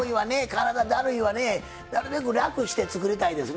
体だるいわねなるべく楽して作りたいですな。